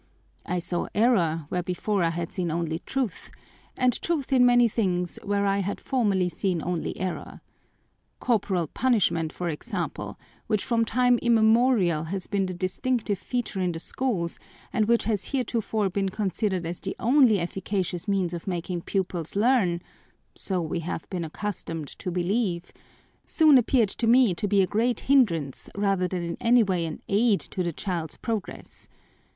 I saw error where before I had seen only truth, and truth in many things where I had formerly seen only error. Corporal punishment, for example, which from time immemorial has been the distinctive feature in the schools and which has heretofore been considered as the only efficacious means of making pupils learn so we have been accustomed to believe soon appeared to me to be a great hindrance rather than in any way an aid to the child's progress.